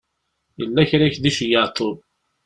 Yella kra i ak-d-iceyyeɛ Tom.